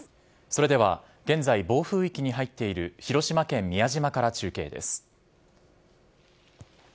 それでは、現在、暴風域に入っている広島県宮島から中継です。